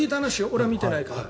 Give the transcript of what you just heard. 俺は見ていないから。